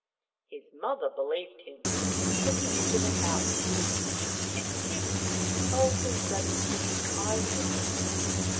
His mother believed him and took him into the house. She kissed him and told his brothers to be kind to him.